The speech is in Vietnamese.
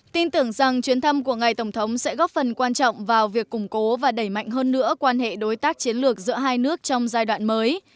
tin tưởng rằng chuyến thăm của ngài tổng thống sẽ góp phần quan trọng vào việc củng cố và đẩy mạnh hơn nữa quan hệ đối tác chiến lược giữa hai nước trong giai đoạn mới